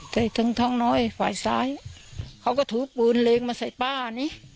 ถึงท้องน้อยฝ่ายซ้ายเขาก็ถือปืนเลงมาใส่ป้านี่